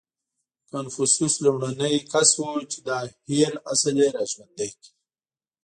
• کنفوسیوس لومړنی کس و، چې دا هېر اصل یې راژوندی کړ.